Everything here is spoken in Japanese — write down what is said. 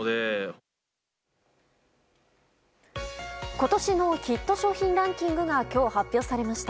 今年のヒット商品ランキングが今日、発表されました。